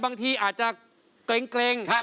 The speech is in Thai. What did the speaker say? บางทีอาจจะเกร็ง